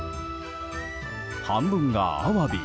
半分がアワビ